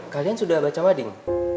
kalian sudah baca wading